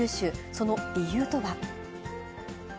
その理由とは。